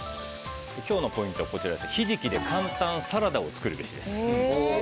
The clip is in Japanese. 今日のポイントは、ヒジキで簡単サラダを作るべしです。